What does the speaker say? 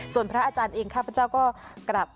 ส่วนพระอาจารย์เองข้าพเจ้าก็กลับ